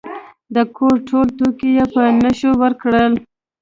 د کور ټول توکي یې په نشو ورکړل.